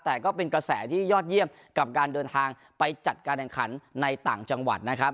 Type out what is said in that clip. แต่ก็เป็นกระแสที่ยอดเยี่ยมกับการเดินทางไปจัดการแห่งขันในต่างจังหวัดนะครับ